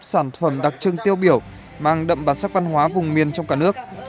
sản phẩm đặc trưng tiêu biểu mang đậm bản sắc văn hóa vùng miền trong cả nước